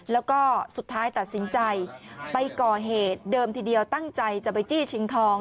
แล้วก็สุดท้ายตัดสินใจไปก่อเหตุเดิมทีเดียวตั้งใจจะไปจี้ชิงทอง